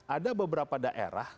ada beberapa daerah